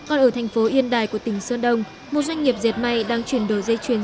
còn ở thành phố yên đài của tỉnh sơn đông một doanh nghiệp diệt may đang chuyển đổi dây chuyền